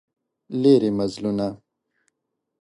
لیري مزلونه